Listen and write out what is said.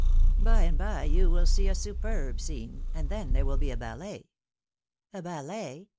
By and by you will see a superb scene, and then there will be a ballet." ballet?"